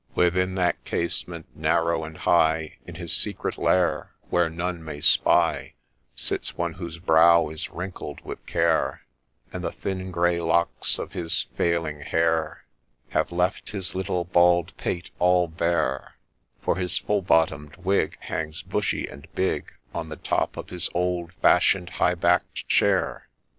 Within that casement, narrow and high, In his secret lair, where none may spy, THE HAND OF GLORY 27 Sits one whose brow is wrinkled with care, And the thin grey locks of his failing hair Have left his little bald pate all bare ; For his full bottom'd wig Hangs, bushy and big, On the top of his old fashion'd, high back'd chair.